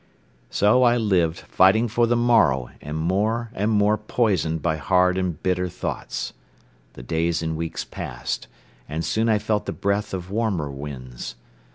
So I lived fighting for the morrow and more and more poisoned by hard and bitter thoughts. The days and weeks passed and soon I felt the breath of warmer winds.